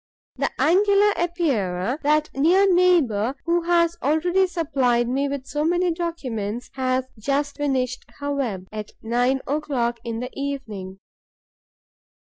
The Angular Epeira, that near neighbour who has already supplied me with so many documents, has just finished her web, at nine o'clock in the evening.